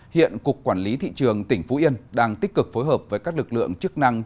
hiện cục quản lý thị trường tỉnh phú yên đang tích cực phối hợp với các lực lượng chức năng